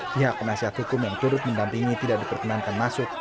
pihak penasihat hukum yang turut mendampingi tidak diperkenankan masuk